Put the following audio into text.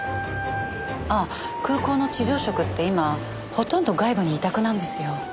ああ空港の地上職って今ほとんど外部に委託なんですよ。